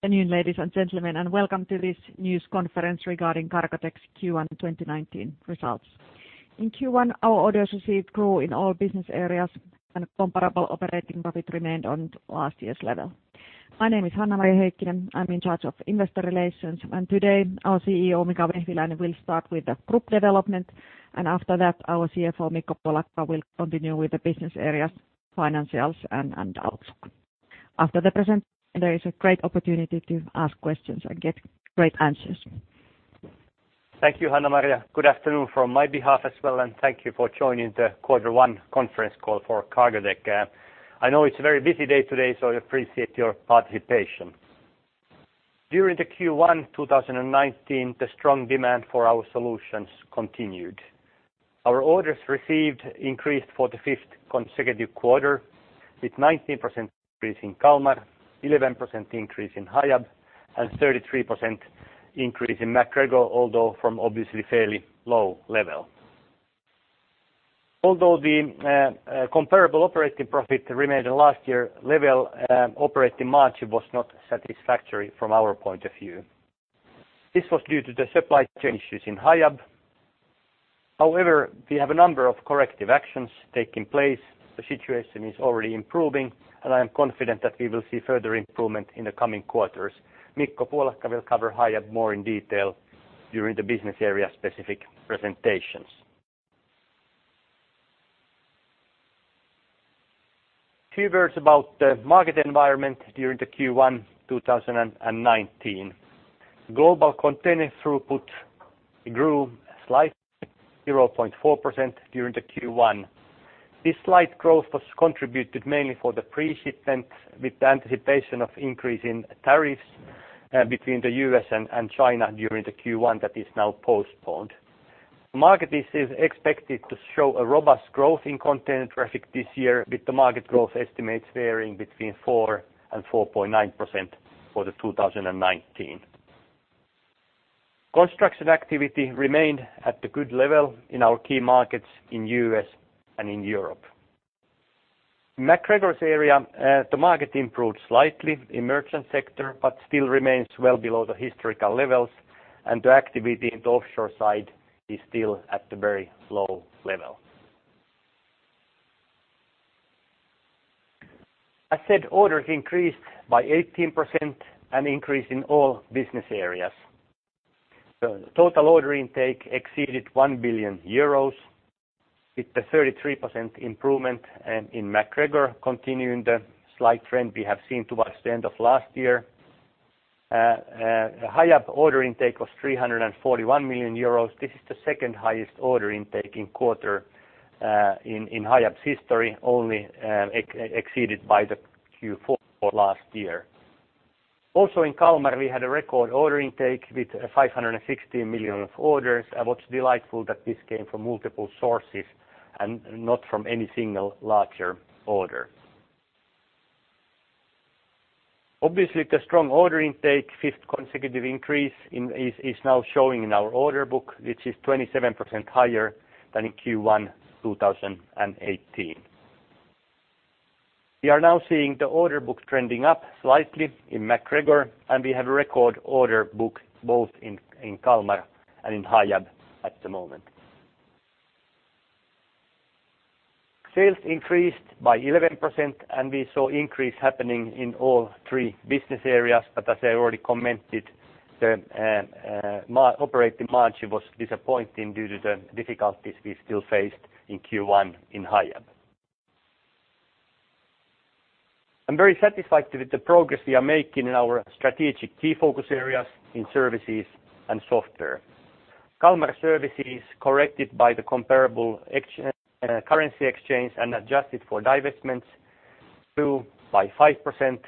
Good afternoon, ladies and gentlemen, and welcome to this news conference regarding Cargotec's Q1 2019 results. In Q1, our orders received grew in all business areas and comparable operating profit remained on last year's level. My name is Hanna-Maria Heikkinen. I'm in charge of investor relations, and today our CEO, Mika Vehviläinen, will start with the group development, and after that, our CFO, Mikko Puolakka, will continue with the business areas, financials and outlook. After the presentation, there is a great opportunity to ask questions and get great answers. Thank you, Hanna-Maria Heikkinen. Good afternoon from my behalf as well. Thank you for joining the Quarter One conference call for Cargotec. I know it's a very busy day today, so we appreciate your participation. During the Q1 2019, the strong demand for our solutions continued. Our orders received increased for the fifth consecutive quarter with 19% increase in Kalmar, 11% increase in Hiab, and 33% increase in MacGregor, although from obviously fairly low level. Although the comparable operating profit remained at last year level, operating margin was not satisfactory from our point of view. This was due to the supply chain issues in Hiab. However, we have a number of corrective actions taking place. The situation is already improving. I am confident that we will see further improvement in the coming quarters. Mikko Puolakka will cover Hiab more in detail during the business area specific presentations. A few words about the market environment during the Q1 2019. Global container throughput grew slightly 0.4% during the Q1. This slight growth was contributed mainly for the pre-shipment with the anticipation of increase in tariffs between the U.S. and China during the Q1 that is now postponed. Market is expected to show a robust growth in container traffic this year with the market growth estimates varying between 4% and 4.9% for the 2019. Construction activity remained at the good level in our key markets in U.S. and in Europe. MacGregor's area, the market improved slightly in merchant sector, but still remains well below the historical levels. The activity in the offshore side is still at the very slow level. I said orders increased by 18% and increase in all business areas. The total order intake exceeded 1 billion euros, with the 33% improvement in MacGregor continuing the slight trend we have seen towards the end of last year. Hiab order intake was 341 million euros. This is the second highest order intake in quarter in Hiab's history, only exceeded by the Q4 last year. Also in Kalmar, we had a record order intake with 560 million of orders. What's delightful that this came from multiple sources and not from any single larger order. Obviously, the strong order intake, fifth consecutive increase is now showing in our order book, which is 27% higher than in Q1 2018. We are now seeing the order book trending up slightly in MacGregor. We have a record order book both in Kalmar and in Hiab at the moment. Sales increased by 11%, and we saw increase happening in all three business areas, but as I already commented, the operating margin was disappointing due to the difficulties we still faced in Q1 in Hiab. I am very satisfied with the progress we are making in our strategic key focus areas in services and software. Kalmar services corrected by the comparable currency exchange and adjusted for divestments grew by 5%.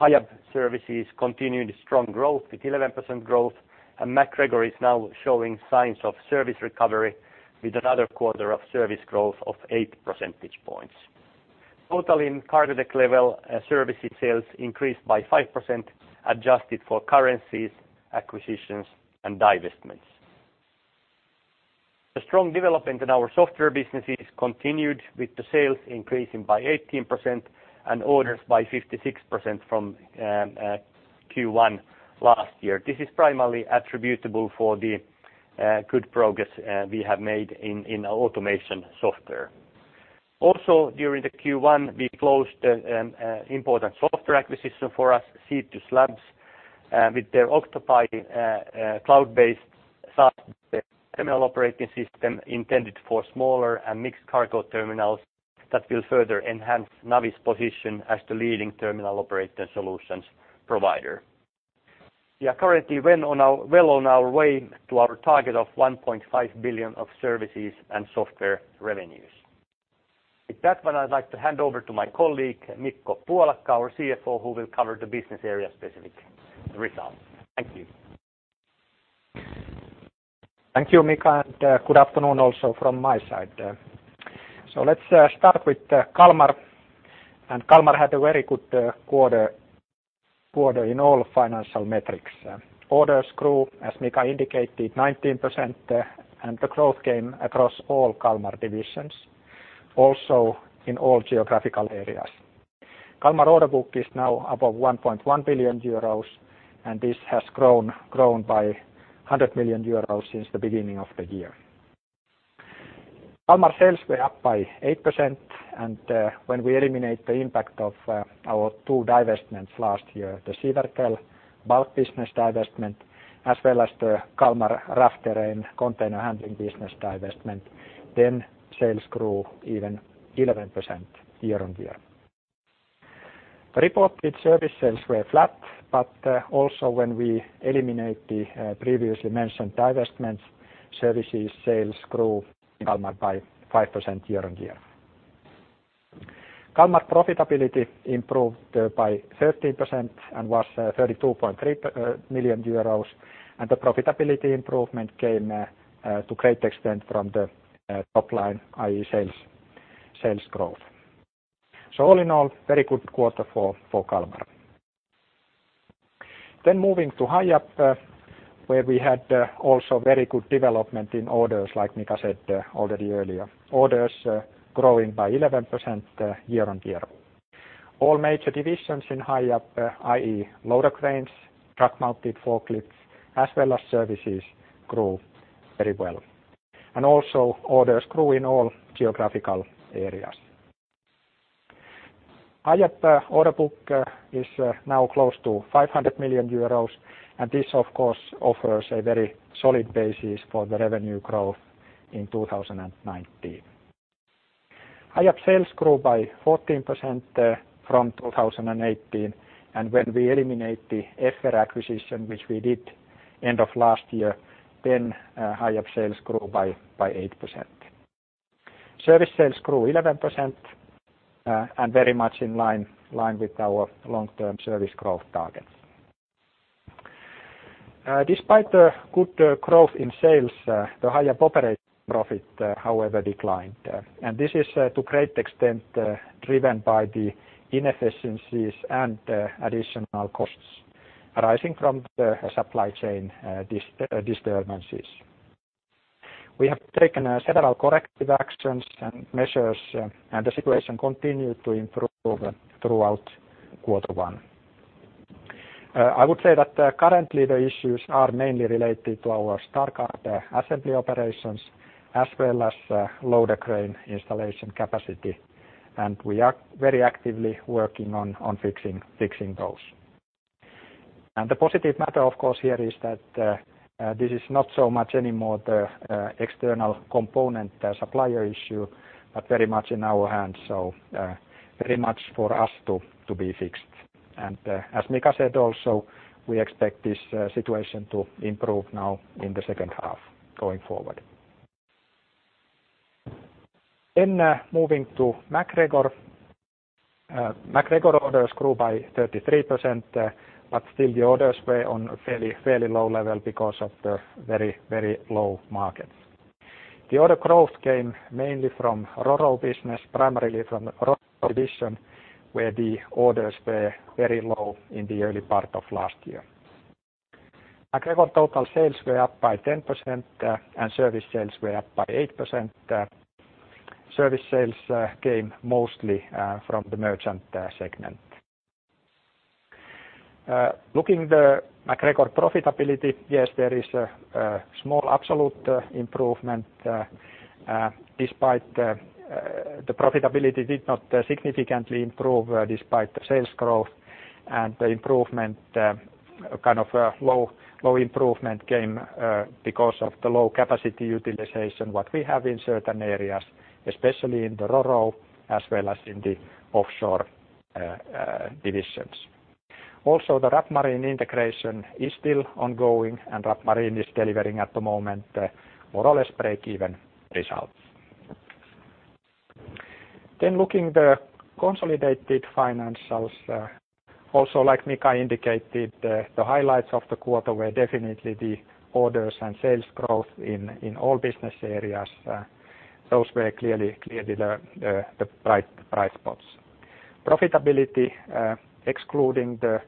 Hiab services continued strong growth with 11% growth, and MacGregor is now showing signs of service recovery with another quarter of service growth of 8 percentage points. Total in Cargotec level, services sales increased by 5% adjusted for currencies, acquisitions, and divestments. The strong development in our software businesses continued with the sales increasing by 18% and orders by 56% from Q1 last year. This is primarily attributable for the good progress we have made in our automation software. During the Q1, we closed an important software acquisition for us, C2 Labs, with their Octopi cloud-based software terminal operating system intended for smaller and mixed cargo terminals that will further enhance Navis' position as the leading terminal operator solutions provider. We are currently well on our way to our target of 1.5 billion of services and software revenues. With that one, I would like to hand over to my colleague, Mikko Puolakka, our CFO, who will cover the business area specific results. Thank you. Thank you, Mika, and good afternoon also from my side. Let's start with Kalmar. Kalmar had a very good quarter in all financial metrics. Orders grew, as Mika indicated, 19%, and the growth came across all Kalmar divisions. In all geographical areas. Kalmar order book is now above 1.1 billion euros, and this has grown by 100 million euros since the beginning of the year. Kalmar sales were up by 8%, and when we eliminate the impact of our two divestments last year, the Siwertell bulk business divestment as well as the Kalmar Rough Terrain Container handling business divestment, then sales grew even 11% year-on-year. Reported service sales were flat, but also when we eliminate the previously mentioned divestments, services sales grew in Kalmar by 5% year-on-year. Kalmar profitability improved by 13% and was 32.3 million euros, and the profitability improvement came to great extent from the top line i.e. sales growth. All in all, very good quarter for Kalmar. Moving to Hiab, where we had also very good development in orders, like Mika said already earlier. Orders growing by 11% year-on-year. All major divisions in Hiab, i.e. loader cranes, truck mounted forklifts, as well as services grew very well. Orders grew in all geographical areas. Hiab order book is now close to 500 million euros. This of course offers a very solid basis for the revenue growth in 2019. Hiab sales grew by 14% from 2018. When we eliminate the Effer acquisition, which we did end of last year, Hiab sales grew by 8%. Service sales grew 11% very much in line with our long-term service growth targets. Despite the good growth in sales, the Hiab operating profit however declined. This is to great extent driven by the inefficiencies and additional costs arising from the supply chain disturbances. We have taken several corrective actions and measures. The situation continued to improve throughout quarter one. I would say that currently the issues are mainly related to our Stargard assembly operations as well as loader crane installation capacity. We are very actively working on fixing those. The positive matter of course here is that this is not so much any more the external component supplier issue, but very much in our hands. Very much for us to be fixed. As Mika said also, we expect this situation to improve now in the second half going forward. Moving to MacGregor. MacGregor orders grew by 33%, but still the orders were on a fairly low level because of the very low market. The order growth came mainly from RoRo business, primarily from the RoRo division, where the orders were very low in the early part of last year. MacGregor total sales were up by 10%. Service sales were up by 8%. Service sales came mostly from the merchant segment. Looking the MacGregor profitability, yes, there is a small absolute improvement despite the profitability did not significantly improve despite the sales growth. The improvement, kind of a low improvement came because of the low capacity utilization what we have in certain areas, especially in the RoRo as well as in the offshore divisions. The Rapp Marine integration is still ongoing. Rapp Marine is delivering at the moment more or less break even results. Looking the consolidated financials, like Mika indicated, the highlights of the quarter were definitely the orders and sales growth in all business areas. Those were clearly the bright spots. Profitability excluding the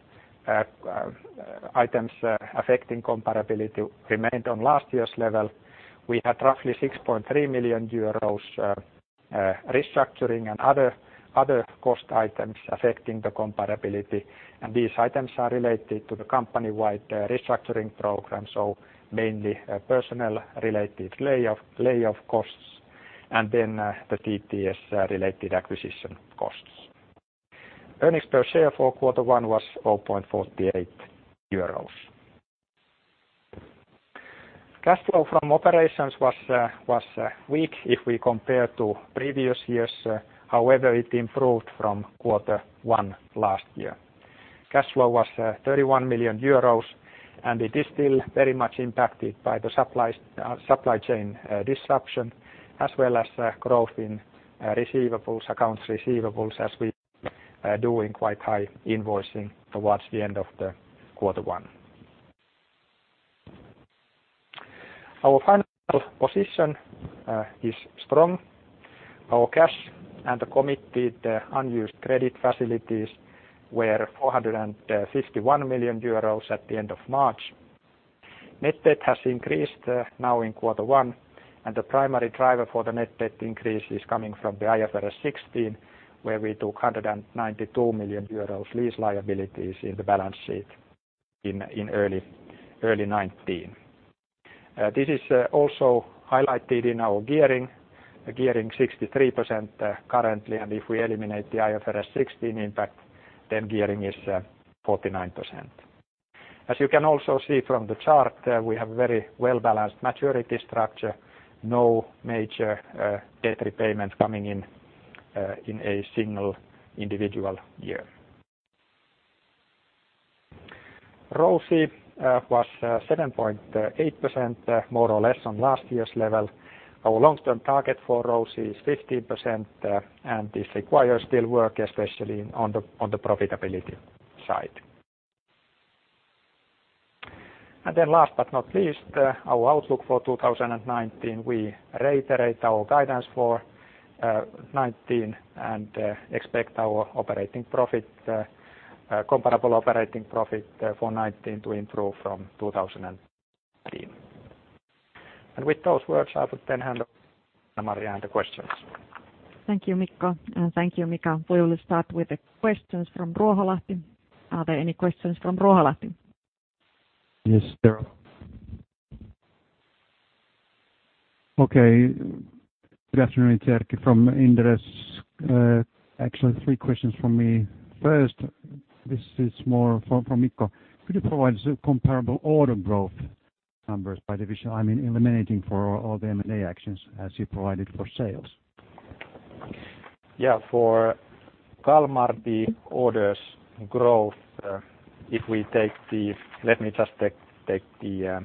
items affecting comparability remained on last year's level. We had roughly 6.3 million euros restructuring and other cost items affecting the comparability. These items are related to the company-wide restructuring program. Mainly personnel related layoff costs, the TTS related acquisition costs. Earnings per share for quarter one was 4.48 euros. Cash flow from operations was weak if we compare to previous years. However, it improved from quarter one last year. Cash flow was 31 million euros. It is still very much impacted by the supply chain disruption as well as growth in receivables, accounts receivables, as we doing quite high invoicing towards the end of the quarter one. Our financial position is strong. Our cash and the committed unused credit facilities were 451 million euros at the end of March. Net debt has increased now in quarter one. The primary driver for the net debt increase is coming from the IFRS 16, where we took 192 million euros lease liabilities in the balance sheet in early 2019. This is also highlighted in our gearing. Gearing 63% currently. If we eliminate the IFRS 16 impact, then gearing is 49%. As you can also see from the chart, we have very well-balanced maturity structure. No major debt repayment coming in in a single individual year. ROCE was 7.8%, more or less on last year's level. Our long-term target for ROCE is 15%. This requires still work, especially on the profitability side. Last but not least, our outlook for 2019. We reiterate our guidance for 2019 and expect our comparable operating profit for 2019 to improve from 2018. With those words, I will then hand over to Hanna-Maria and the questions. Thank you, Mikko. Thank you, Mika. We will start with the questions from Ruoholahti. Are there any questions from Ruoholahti? Yes. There are. Okay. Good afternoon, it's Erkki from Inderes. Actually, three questions from me. First, this is more for Mikko. Could you provide comparable order growth numbers by division? I mean, eliminating for all the M&A actions as you provided for sales. Yeah, for Kalmar, the orders growth, let me just take the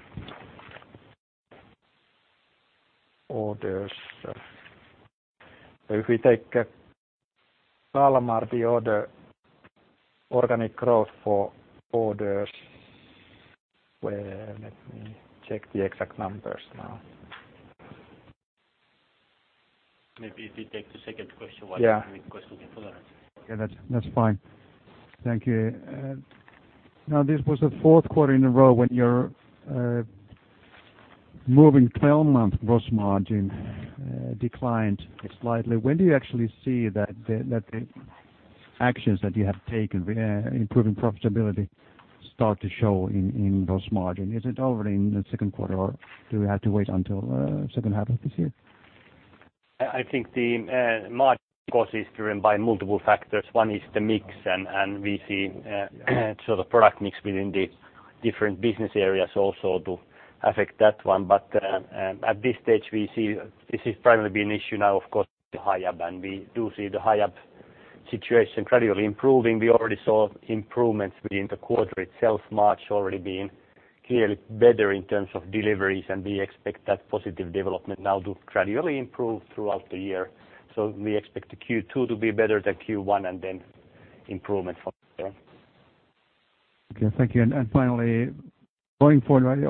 orders. If we take Kalmar, the order organic growth for orders. Let me check the exact numbers now. Maybe if you take the second question- Yeah while he's looking for that. Okay, that's fine. Thank you. This was the fourth quarter in a row when your moving 12-month gross margin declined slightly. When do you actually see that the actions that you have taken, improving profitability, start to show in gross margin? Is it already in the second quarter, or do we have to wait until second half of this year? I think the margin, of course, is driven by multiple factors. One is the mix, and we see sort of product mix within the different business areas also to affect that one. At this stage, we see this is primarily been an issue now, of course, with the Hiab, and we do see the Hiab situation gradually improving. We already saw improvements within the quarter itself. March already being clearly better in terms of deliveries, and we expect that positive development now to gradually improve throughout the year. We expect the Q2 to be better than Q1 and then improvement from there. Okay. Thank you. Finally, going forward,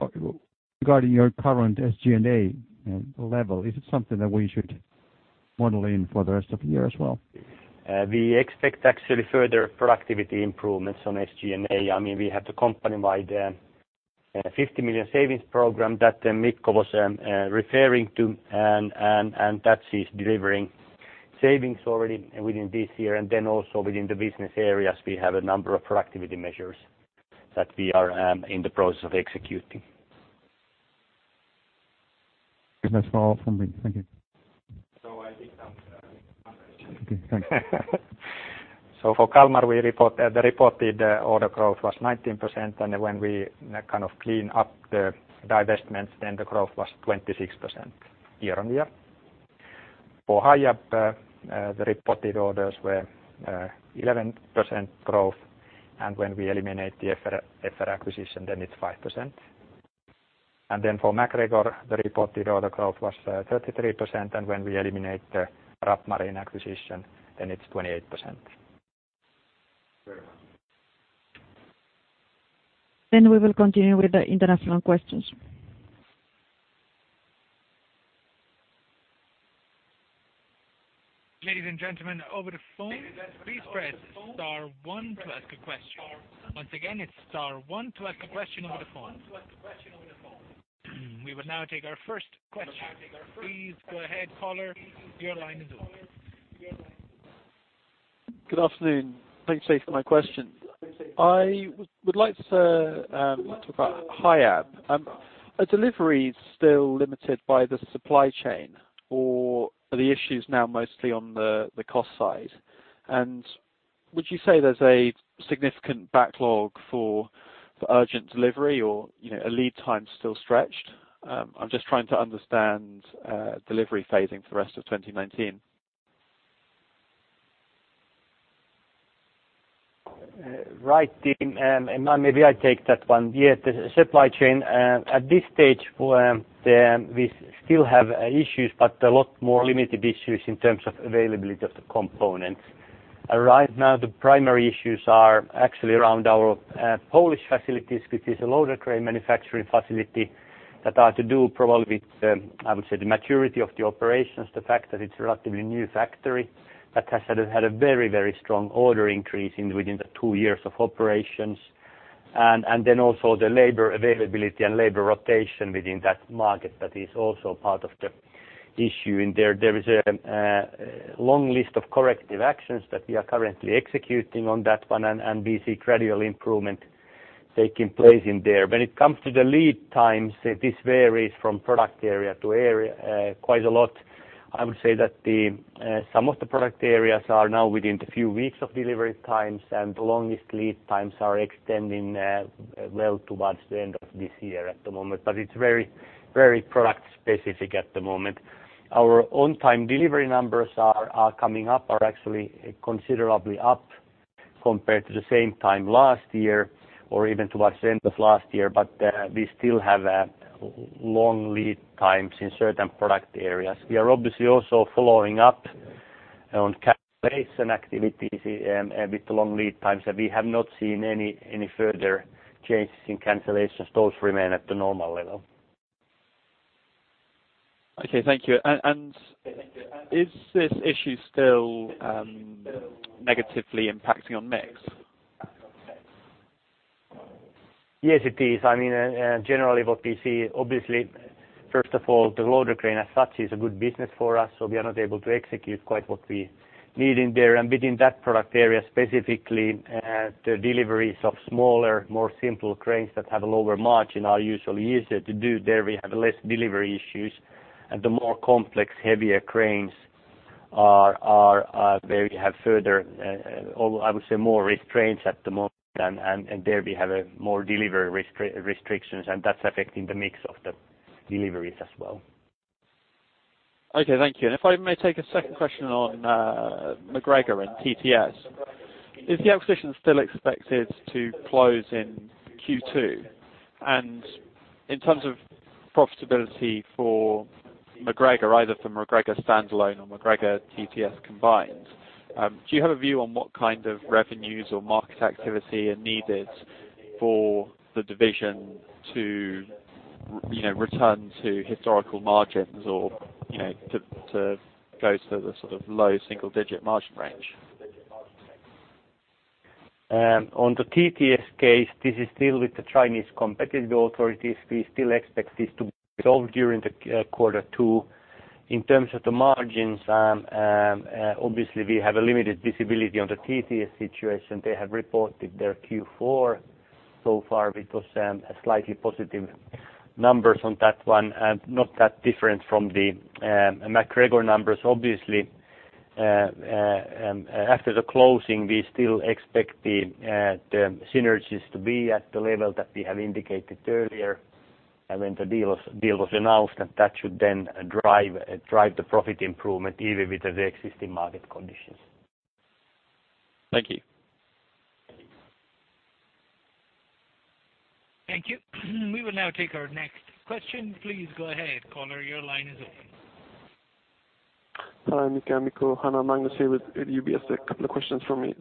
regarding your current SG&A level, is it something that we should model in for the rest of the year as well? We expect actually further productivity improvements on SG&A. We have the company-wide 50 million savings program that Mikko was referring to, that is delivering savings already within this year. Also within the business areas, we have a number of productivity measures that we are in the process of executing. That's all from me. Thank you. I think for Kalmar, the reported order growth was 19%, when we kind of clean up the divestments, then the growth was 26% year-on-year. For Hiab, the reported orders were 11% growth, when we eliminate the Effer acquisition, then it's 5%. For MacGregor, the reported order growth was 33%, when we eliminate the Rapp Marine acquisition, then it's 28%. Very well. We will continue with the international questions. Ladies and gentlemen over the phone, please press star one to ask a question. Once again, it's star one to ask a question over the phone. We will now take our first question. Please go ahead, caller. Your line is open. Good afternoon. Thanks for taking my question. I would like to talk about Hiab. Are deliveries still limited by the supply chain, or are the issues now mostly on the cost side? Would you say there's a significant backlog for urgent delivery or are lead times still stretched? I'm just trying to understand delivery phasing for the rest of 2019. Right, Tim, maybe I take that one. Yeah, the supply chain. At this stage, we still have issues, but a lot more limited issues in terms of availability of the components. Right now, the primary issues are actually around our Polish facilities, which is a Loader Cranes manufacturing facility that are to do probably with, I would say, the maturity of the operations, the fact that it's a relatively new factory that has had a very strong order increase within the two years of operations, then also the labor availability and labor rotation within that market, that is also part of the issue in there. There is a long list of corrective actions that we are currently executing on that one, we see gradual improvement taking place in there. When it comes to the lead times, this varies from product area to area quite a lot. I would say that some of the product areas are now within a few weeks of delivery times, and the longest lead times are extending well towards the end of this year at the moment. It's very product specific at the moment. Our on-time delivery numbers are actually considerably up compared to the same time last year or even towards the end of last year. We still have long lead times in certain product areas. We are obviously also following up on cancellation activities with long lead times, and we have not seen any further changes in cancellations. Those remain at the normal level. Okay, thank you. Is this issue still negatively impacting on mix? Yes, it is. Generally what we see, obviously, first of all, the loader crane as such is a good business for us, we are not able to execute quite what we need in there. Within that product area, specifically, the deliveries of smaller, more simple cranes that have a lower margin are usually easier to do. There we have less delivery issues. The more complex heavier cranes are where we have further, or I would say, more restraints at the moment. There we have more delivery restrictions, and that's affecting the mix of the deliveries as well. Okay, thank you. If I may take a second question on MacGregor and TTS. Is the acquisition still expected to close in Q2? In terms of profitability for MacGregor, either from MacGregor standalone or MacGregor TTS combined, do you have a view on what kind of revenues or market activity are needed for the division to return to historical margins or to go to the sort of low single-digit margin range? On the TTS case, this is still with the Chinese competitive authorities. We still expect this to be resolved during the quarter two. In terms of the margins, obviously we have a limited visibility on the TTS situation. They have reported their Q4 so far with those slightly positive numbers on that one, not that different from the MacGregor numbers. Obviously, after the closing, we still expect the synergies to be at the level that we have indicated earlier when the deal was announced, that should then drive the profit improvement even with the existing market conditions. Thank you. Thank you. We will now take our next question. Please go ahead, caller, your line is open. Hi, Mika, Mikko. Hannah Magnus here with UBS. A couple of questions from me.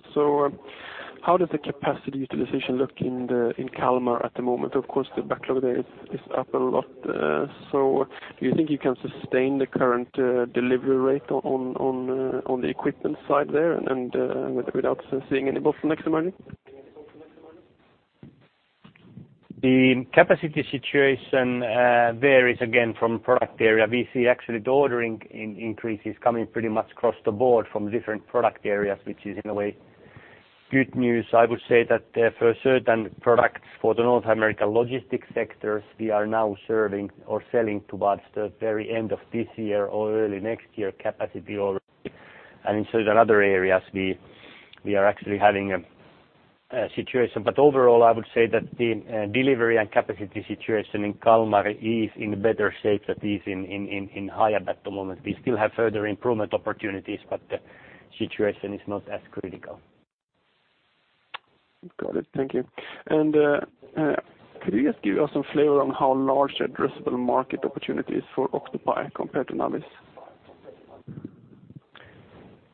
How does the capacity utilization look in Kalmar at the moment? Of course, the backlog there is up a lot. Do you think you can sustain the current delivery rate on the equipment side there without seeing any bottlenecks emerging? The capacity situation varies again from product area. We see actually the ordering increases coming pretty much across the board from different product areas, which is in a way good news. I would say that for certain products for the North America logistics sectors, we are now serving or selling towards the very end of this year or early next year capacity already. In certain other areas, we are actually having a situation. Overall, I would say that the delivery and capacity situation in Kalmar is in better shape than it is in Hiab at the moment. We still have further improvement opportunities, but the situation is not as critical. Got it. Thank you. Could you just give us some flavor on how large the addressable market opportunity is for Octopi compared to Navis?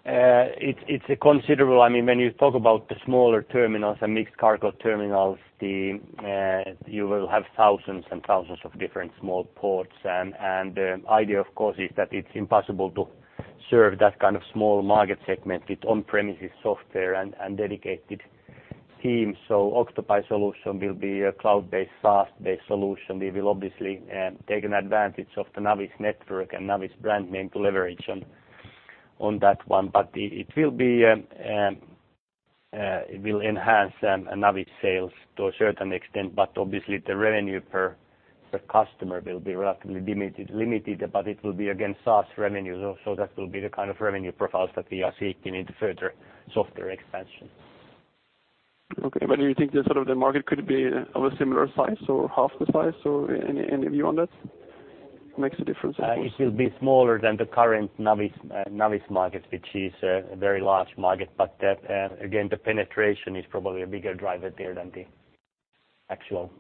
It's considerable. When you talk about the smaller terminals and mixed cargo terminals, you will have thousands and thousands of different small ports. The idea, of course, is that it's impossible to serve that kind of small market segment with on-premises software and dedicated teams. Octopi solution will be a cloud-based, SaaS-based solution. We will obviously take an advantage of the Navis network and Navis brand name to leverage on that one. It will enhance Navis sales to a certain extent, but obviously the revenue per customer will be relatively limited, but it will be, again, SaaS revenue. That will be the kind of revenue profiles that we are seeking in the further software expansion. Okay. Do you think the market could be of a similar size or half the size, or any view on that? Makes a difference, of course. It will be smaller than the current Navis market, which is a very large market. Again, the penetration is probably a bigger driver there than the actual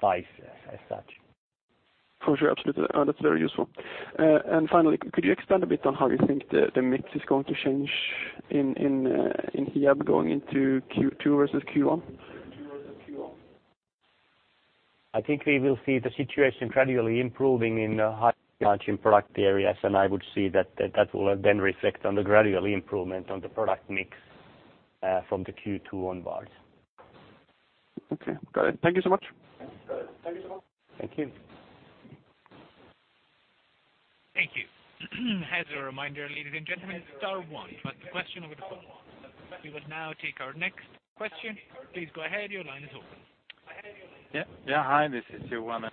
size as such. For sure. Absolutely. That's very useful. Finally, could you expand a bit on how you think the mix is going to change in Hiab going into Q2 versus Q1? I think we will see the situation gradually improving in high-margin product areas, and I would see that will then reflect on the gradual improvement on the product mix from the Q2 onwards. Okay. Got it. Thank you so much. Thank you. Thank you. As a reminder, ladies and gentlemen, star one to ask a question over the phone. We will now take our next question. Please go ahead. Your line is open. Yeah. Hi, this is Johan.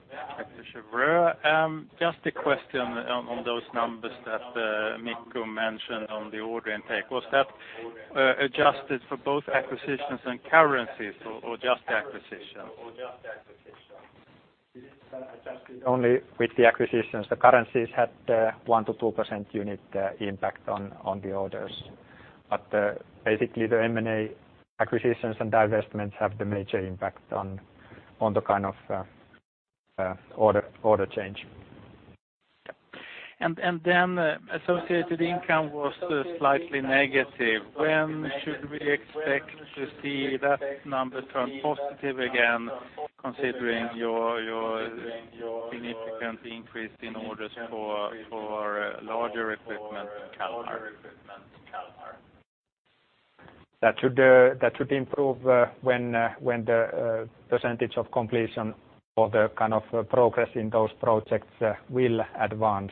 That should improve when the percentage of completion or the kind of progress in those projects will advance.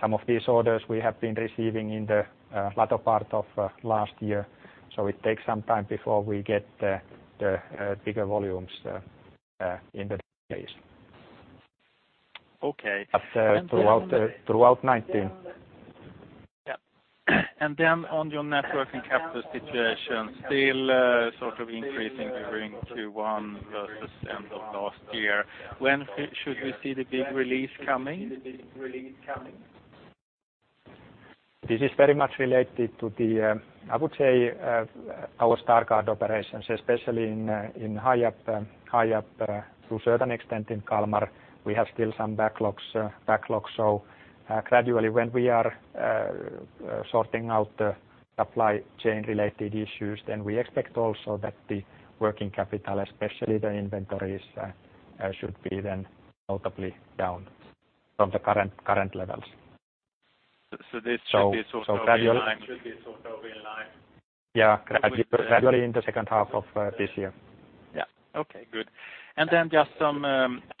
Some of these orders we have been receiving in the latter part of last year, so it takes some time before we get the bigger volumes in the place. Okay. Throughout 2019. Yeah. Then on your networking capital situation, still sort of increasing during Q1 versus end of last year. When should we see the big release coming? This is very much related to the, I would say, our Stargard operations, especially in Hiab, to a certain extent in Kalmar. We have still some backlogs. Gradually, when we are sorting out the supply chain-related issues, then we expect also that the working capital, especially the inventories should be then notably down from the current levels. This should be sort of in line. Yeah. Gradually in the second half of this year. Okay, good. Just some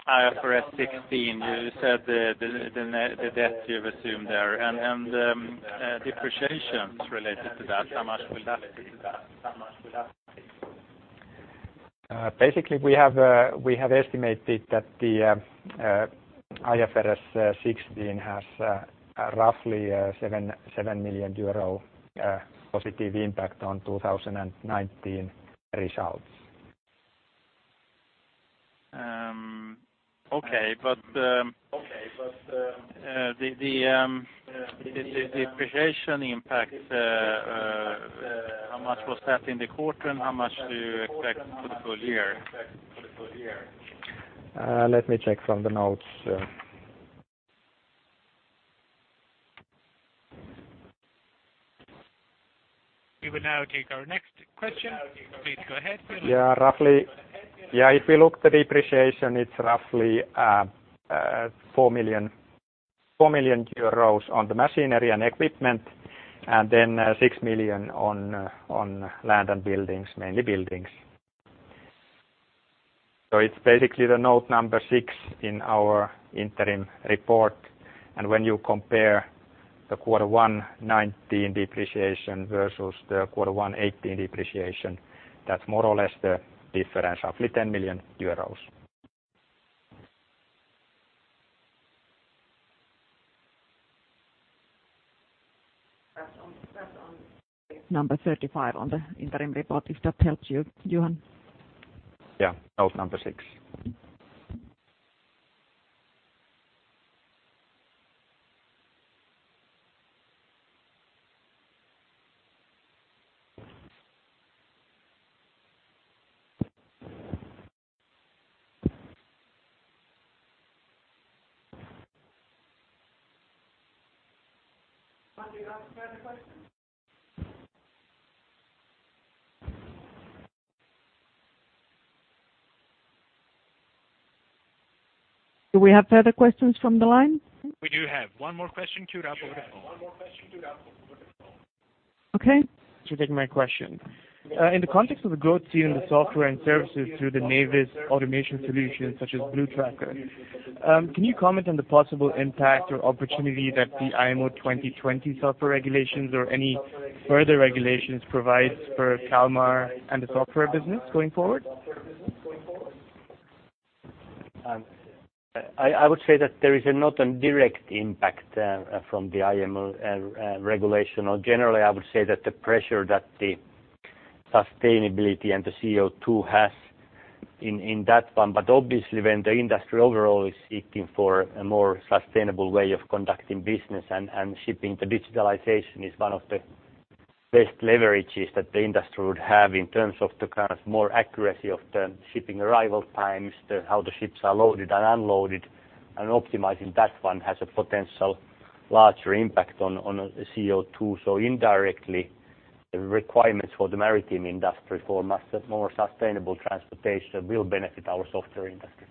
IFRS 16. You said the debt you've assumed there and depreciations related to that, how much will that be? Basically, we have estimated that the IFRS 16 has roughly a 7 million euro positive impact on 2019 results. Okay. The depreciation impact, how much was that in the quarter and how much do you expect for the full year? Let me check from the notes. We will now take our next question. Please go ahead. Yeah. If we look at the depreciation, it's roughly 4 million euros on the machinery and equipment, then 6 million on land and buildings, mainly buildings. It's basically the note number six in our interim report. When you compare the quarter one 2019 depreciation versus the quarter one 2018 depreciation, that's more or less the difference, roughly 10 million euros. That's on number 35 on the interim report, if that helps you, Johan. Yeah. Note number six. Do we have further questions? Do we have further questions from the line? We do have one more question queued up over the phone. Okay. Thanks for taking my question. In the context of the growth seen in the software and services through the Navis automation solutions such as Bluetracker, can you comment on the possible impact or opportunity that the IMO 2020 software regulations or any further regulations provides for Kalmar and the software business going forward? I would say that there is not a direct impact from the IMO regulation or generally, I would say that the pressure that the sustainability and the CO2 has in that one. Obviously when the industry overall is seeking for a more sustainable way of conducting business and shipping, the digitalization is one of the best leverages that the industry would have in terms of the kind of more accuracy of the shipping arrival times, how the ships are loaded and unloaded, and optimizing that one has a potential larger impact on CO2. Indirectly, the requirements for the maritime industry for more sustainable transportation will benefit our software industry.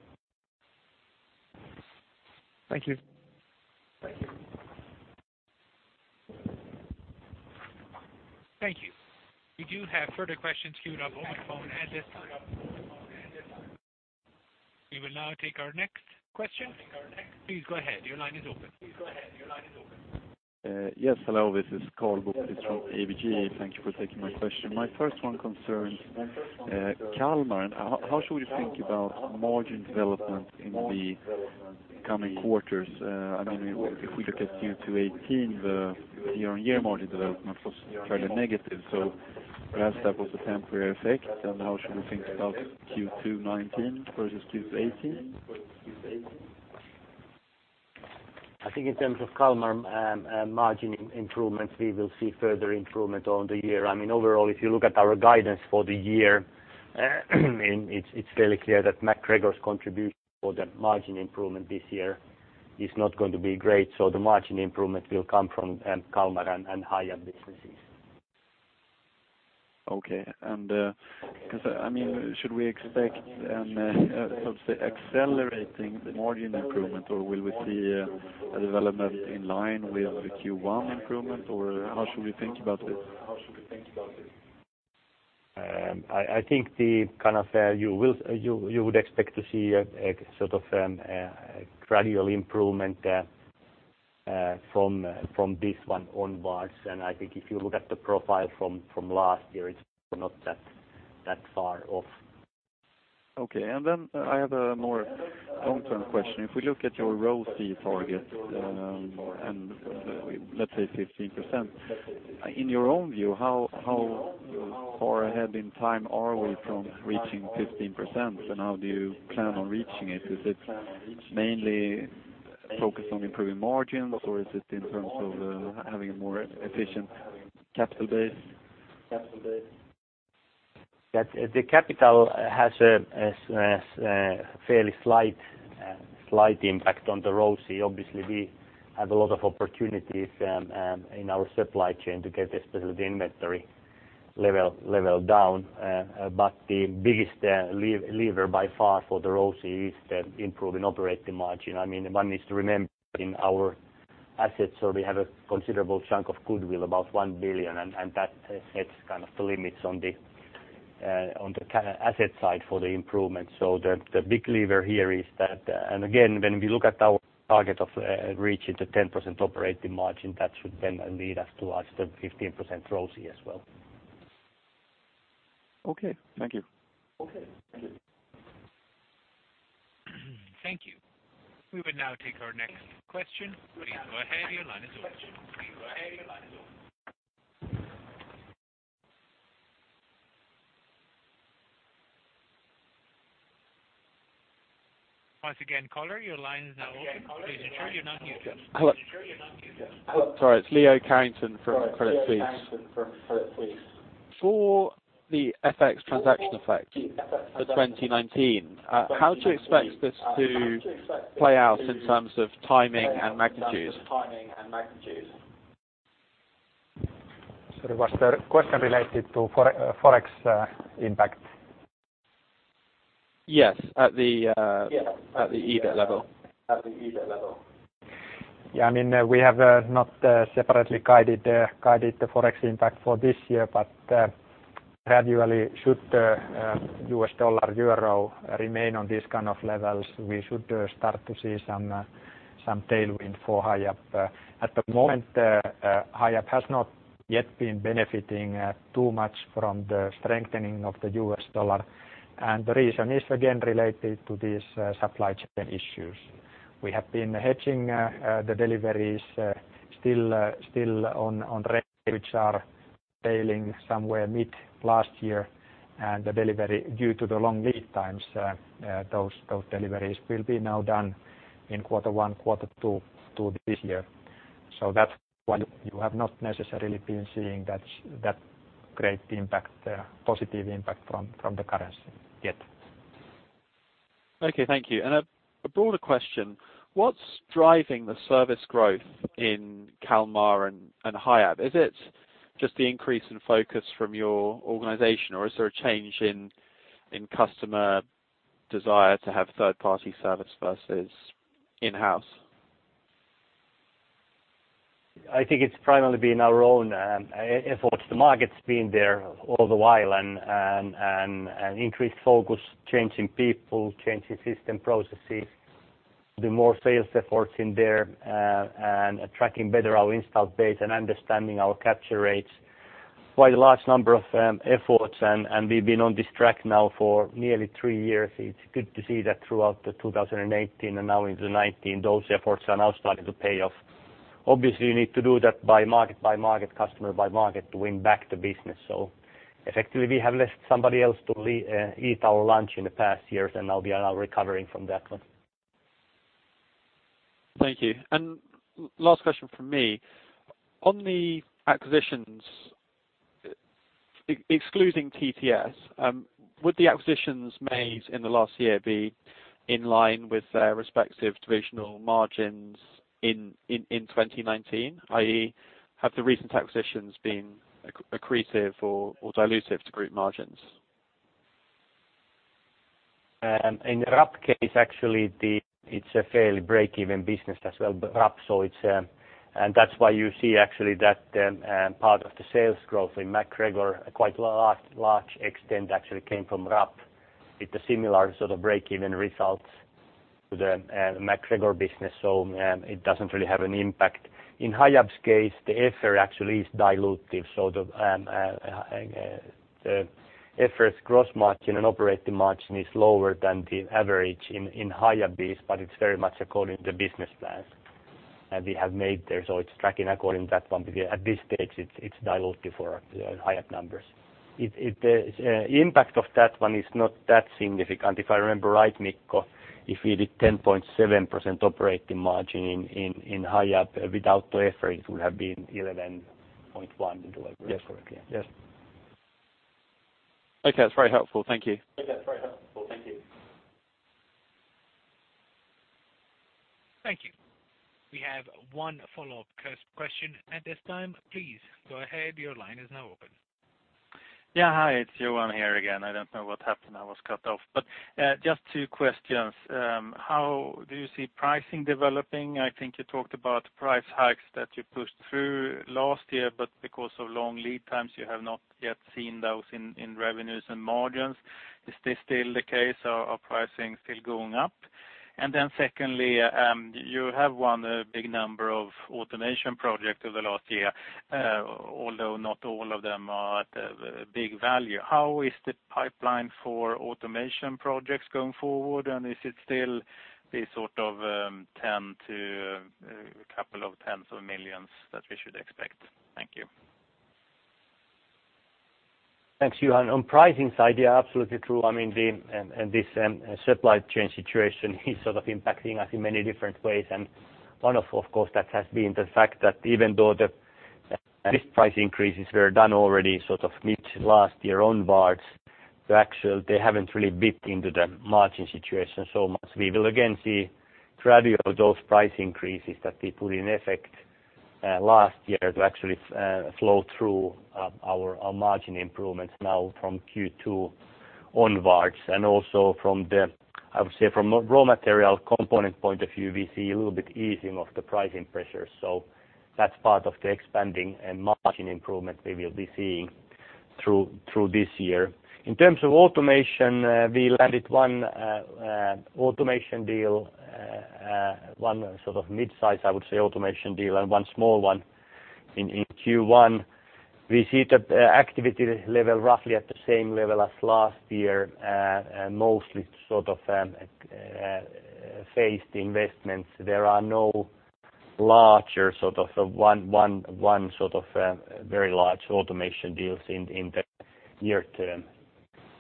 Thank you. Thank you. We do have further questions queued up over the phone at this time. We will now take our next question. Please go ahead. Your line is open. Yes. Hello. This is Karl Bokvist from ABG. Thank you for taking my question. My first one concerns Kalmar. How should we think about margin development in the coming quarters? If we look at Q2 2018, the year-on-year margin development was fairly negative, so perhaps that was a temporary effect. How should we think about Q2 2019 versus Q2 2018? I think in terms of Kalmar margin improvements, we will see further improvement on the year. Overall, if you look at our guidance for the year, it's fairly clear that MacGregor's contribution for that margin improvement this year is not going to be great. The margin improvement will come from Kalmar and Hiab businesses. Okay. Should we expect accelerating the margin improvement, or will we see a development in line with the Q1 improvement, or how should we think about this? I think you would expect to see a gradual improvement from this one onwards. I think if you look at the profile from last year, it's not that far off. Okay. I have a more long-term question. If we look at your ROCE target, let's say 15%, in your own view, how far ahead in time are we from reaching 15% and how do you plan on reaching it? Is it mainly focused on improving margins, or is it in terms of having a more efficient capital base? The capital has a fairly slight impact on the ROCE. Obviously, we have a lot of opportunities in our supply chain to get the inventory level down. The biggest lever by far for the ROCE is the improving operating margin. One needs to remember in our assets, we have a considerable chunk of goodwill, about 1 billion, and that sets kind of the limits on the asset side for the improvement. The big lever here is that, again, when we look at our target of reaching the 10% operating margin, that should then lead us towards the 15% ROCE as well. Okay. Thank you. Thank you. We will now take our next question. Please go ahead. Your line is open. Once again, caller, your line is now open. Please ensure you're unmuted. Hello. Sorry. It's Leo Carrington from Credit Suisse. For the FX transaction effect for 2019, how do you expect this to play out in terms of timing and magnitudes? Sorry, was the question related to Forex impact? Yes. At the EBIT level. Yeah, we have not separately guided the Forex impact for this year, Gradually should US dollar/euro remain on this kind of levels, we should start to see some tailwind for Hiab. At the moment Hiab has not yet been benefiting too much from the strengthening of the US dollar, The reason is again related to these supply chain issues. We have been hedging the deliveries still on rates which are sailing somewhere mid last year, The delivery due to the long lead times, those deliveries will be now done in quarter one, quarter two this year. That's why you have not necessarily been seeing that great impact there, positive impact from the currency yet. Okay. Thank you. A broader question. What's driving the service growth in Kalmar and Hiab? Is it just the increase in focus from your organization, or is there a change in customer desire to have third-party service versus in-house? I think it's primarily been our own efforts. The market's been there all the while Increased focus, change in people, change in system processes, the more sales efforts in there, Tracking better our installed base and understanding our capture rates. Quite a large number of efforts We've been on this track now for nearly three years. It's good to see that throughout the 2018 and now into 2019, those efforts are now starting to pay off. Obviously, you need to do that by market by market, customer by market to win back the business. Effectively, we have left somebody else to eat our lunch in the past years, and now we are now recovering from that one. Thank you. Last question from me. On the acquisitions, excluding TTS, would the acquisitions made in the last year be in line with their respective divisional margins in 2019? i.e., have the recent acquisitions been accretive or dilutive to group margins? In the Rapp case, actually, it's a fairly break-even business as well. Rapp, that's why you see actually that part of the sales growth in MacGregor quite large extent actually came from Rapp with the similar sort of break-even results to the MacGregor business. It doesn't really have an impact. In Hiab's case, the Effer actually is dilutive. The Effer's gross margin and operating margin is lower than the average in Hiab is, but it's very much according to business plans that we have made there. It's tracking according to that one. At this stage, it's dilutive for Hiab numbers. The impact of that one is not that significant. If I remember right, Mikko, if we did 10.7% operating margin in Hiab without the Effer, it would have been 11.1% if I remember correctly. Yes. Okay. That's very helpful. Thank you. Thank you. We have one follow-up question at this time. Please go ahead. Your line is now open. Yeah. Hi, it's Johan here again. I don't know what happened. I was cut off. Just two questions. How do you see pricing developing? I think you talked about price hikes that you pushed through last year, but because of long lead times, you have not yet seen those in revenues and margins. Is this still the case or are pricing still going up? Secondly, you have won a big number of automation projects over the last year. Although not all of them are at a big value. How is the pipeline for automation projects going forward? Is it still the sort of 10 to a couple of EUR tens of millions that we should expect? Thank you. Thanks, Johan. On pricing side, yeah, absolutely true. This supply chain situation is sort of impacting us in many different ways. One, of course, that has been the fact that even though the list price increases were done already sort of mid last year onwards, they haven't really bit into the margin situation so much. We will again see gradually those price increases that we put in effect last year to actually flow through our margin improvements now from Q2 onwards. Also I would say from a raw material component point of view, we see a little bit easing of the pricing pressure. That's part of the expanding and margin improvement we will be seeing through this year. In terms of automation, we landed one automation deal, one sort of mid-size, I would say, automation deal and one small one in Q1. We see the activity level roughly at the same level as last year, mostly sort of phased investments. There are no larger sort of one sort of very large automation deals in the near term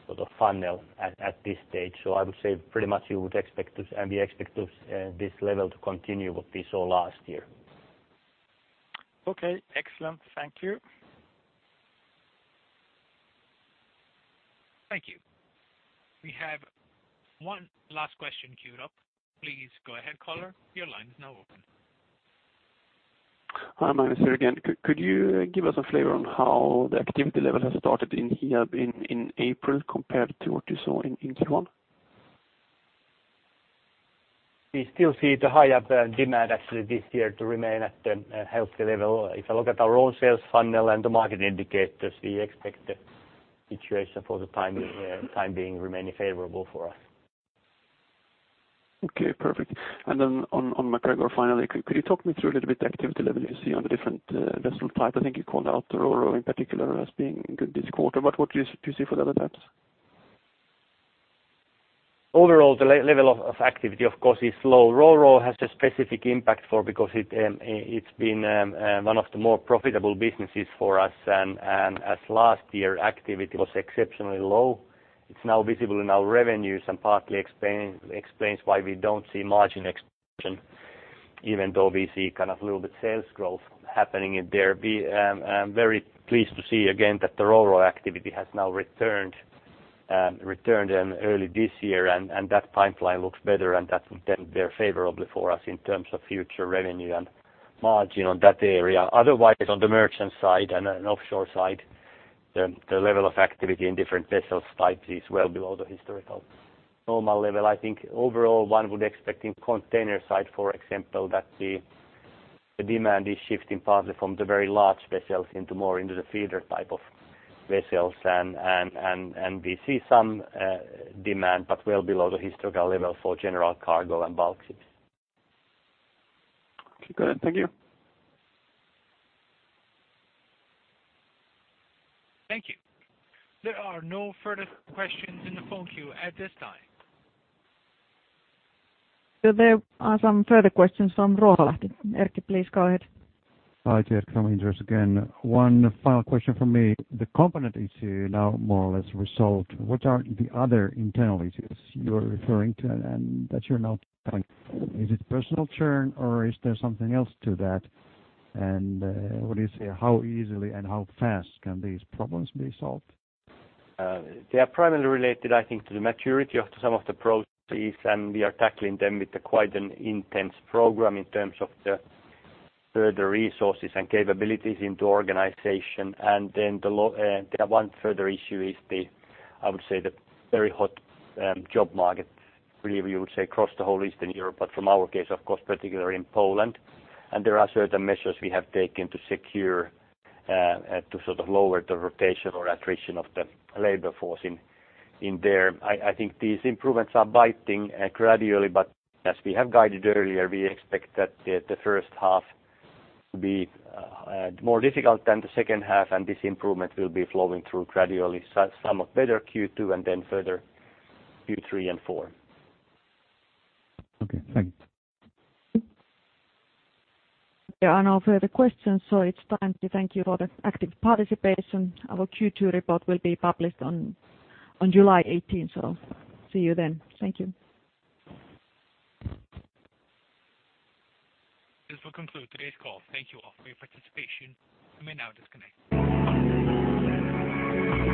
sort of funnel at this stage. I would say pretty much you would expect this and we expect this level to continue what we saw last year. Okay. Excellent. Thank you. Thank you. We have one last question queued up. Please go ahead, caller. Your line is now open. Hi. Magnus here again. Could you give us a flavor on how the activity level has started in Hiab in April compared to what you saw in Q1? We still see the Hiab demand actually this year to remain at the healthy level. If I look at our own sales funnel and the market indicators, we expect the situation for the time being remaining favorable for us. Okay, perfect. On MacGregor, finally, could you talk me through a little bit the activity level you see on the different vessel type? I think you called out the RoRo in particular as being good this quarter, but what do you see for the other types? Overall, the level of activity, of course, is low. RoRo has the specific impact for because it's been one of the more profitable businesses for us, and as last year activity was exceptionally low. It's now visible in our revenues and partly explains why we don't see margin expansion even though we see kind of a little bit sales growth happening in there. I'm very pleased to see again that the RoRo activity has now returned early this year, and that pipeline looks better, and that bodes very favorably for us in terms of future revenue and margin on that area. Otherwise, on the merchant side and an offshore side, the level of activity in different vessel types is well below the historical normal level. I think overall, one would expect in container side, for example, that the demand is shifting partly from the very large vessels into more into the feeder type of vessels. We see some demand, but well below the historical level for general cargo and bulks. Okay, good. Thank you. Thank you. There are no further questions in the phone queue at this time. There are some further questions from Ruoholahti. Erkki, please go ahead. Hi. Erkki from Inderes again. One final question from me. The component issue now more or less resolved. What are the other internal issues you're referring to and that you're now tackling? Is it personal churn or is there something else to that? Would you say how easily and how fast can these problems be solved? They are primarily related, I think, to the maturity of some of the processes, we are tackling them with quite an intense program in terms of the further resources and capabilities into organization. Then the one further issue is the, I would say, the very hot job market, really, we would say across the whole Eastern Europe, but from our case, of course, particularly in Poland. There are certain measures we have taken to secure to sort of lower the rotation or attrition of the labor force in there. I think these improvements are biting gradually, as we have guided earlier, we expect that the first half will be more difficult than the second half, and this improvement will be flowing through gradually, some of better Q2 and then further Q3 and Q4. Okay, thank you. There are no further questions. It's time to thank you for the active participation. Our Q2 report will be published on July 18th. See you then. Thank you. This will conclude today's call. Thank you all for your participation. You may now disconnect.